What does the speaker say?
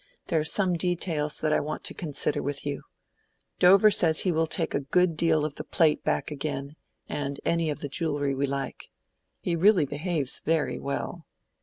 "There are some details that I want to consider with you. Dover says he will take a good deal of the plate back again, and any of the jewellery we like. He really behaves very well."